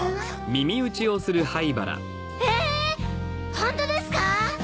ホントですか？